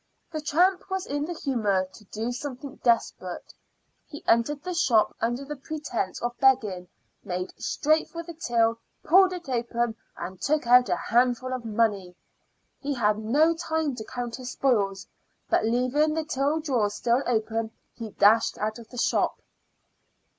The tramp was in the humor to do something desperate; he entered the shop under the pretense of begging; made straight for the till, pulled it open, and took out a handful of money. He had no time to count his spoils, but leaving the till drawer still open, he dashed out of the shop.